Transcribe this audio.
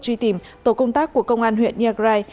truy tìm tổ công tác của công an huyện yagrai